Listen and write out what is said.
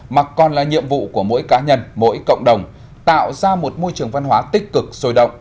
mà còn là nhiệm vụ của mỗi cá nhân mỗi cộng đồng tạo ra một môi trường văn hóa tích cực sôi động